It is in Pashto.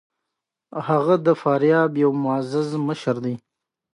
هغه د فاریاب یو معزز مشر دی.